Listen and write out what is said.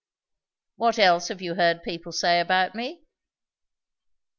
"What else have you heard people say about me?"